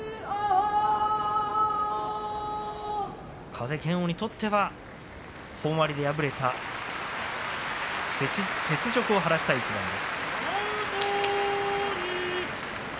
風賢央にとっては本割で敗れた雪辱を晴らしたい一番です。